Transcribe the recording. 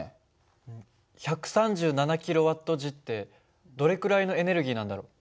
１３７ｋＷｈってどれくらいのエネルギーなんだろう？